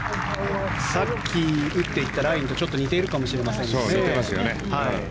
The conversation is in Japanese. さっき打っていったラインと似てるかもしれませんね。